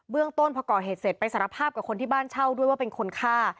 ต้นพอก่อเหตุเสร็จไปสารภาพกับคนที่บ้านเช่าด้วยว่าเป็นคนฆ่า